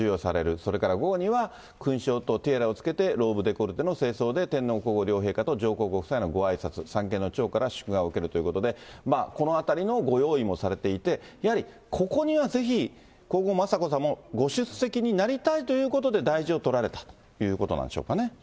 それから午後には、勲章とティアラをつけて、ローブデコルテの正装で天皇皇后両陛下と上皇ご夫妻のごあいさつ、三権の長から祝賀を受けるということで、このあたりのご用意もされていて、やはりここにはぜひ皇后雅子さまもご出席になりたいということで、大事を取られたということなんでしょうかね。